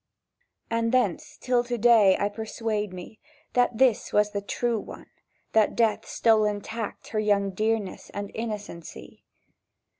And thence till to day I persuade me That this was the true one; That Death stole intact her young dearness And innocency.